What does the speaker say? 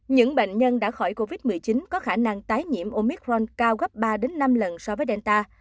những bệnh nhân đã khỏi covid một mươi chín có khả năng tái nhiễm omicron cao gấp ba năm lần so với delta